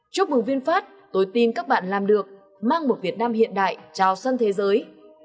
chúc mừng vinfast tôi tin các bạn làm được mang một việt nam hiện đại trào sân thế giới